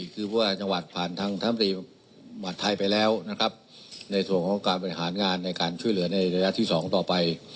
คือผู้ว่าจังหวัดผ่านทางท่านตรีหมัดไทยไปแล้วนะครับในส่วนของการบริหารงานในการช่วยเหลือในระยะที่๒ต่อไป